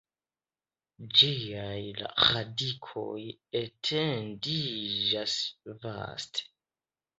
Ĝiaj radikoj etendiĝas vaste.